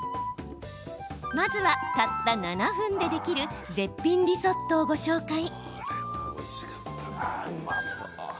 まずは、たった７分でできる絶品リゾットをご紹介。